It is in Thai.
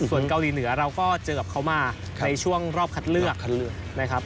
ส่วนเกาหลีเหนือเราก็เจอกับเขามาในช่วงรอบคัดเลือกคัดเลือกนะครับ